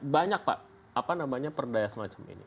banyak pak apa namanya perdaya semacam ini